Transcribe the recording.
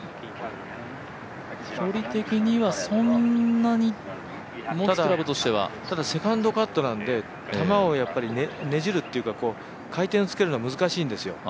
距離的にはそんなに、持つクラブとしてはただセカンドカットなんで球をねじるっていうか回転をつけるのは難しいんですよ。